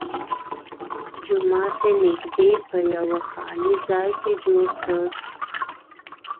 جومات یې نږدې په یوه خالي ځای کې جوړ کړ.